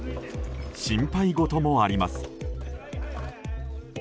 心配事もあります。